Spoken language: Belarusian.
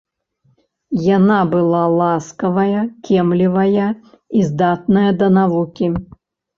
Яна была ласкавая, кемлівая і здатная да навукі